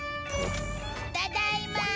ただいま！